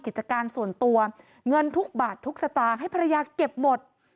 กิจการส่วนตัวเงินทุกบาททุกสตางค์ให้ภรรยาเก็บหมด